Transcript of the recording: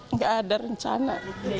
nggak ada rencana